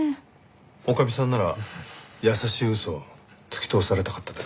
女将さんなら優しい嘘突き通されたかったですか？